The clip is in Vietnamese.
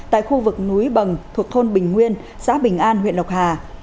tại khu vực núi bằng thuộc thôn bình nguyên xã bình an huyện lộc hà